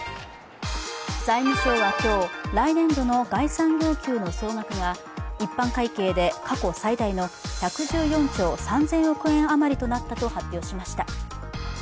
財務省は今日、来年度の概算要求の総額が一般会計で過去最大の１１４兆３０００億円余りとなったと発表しました。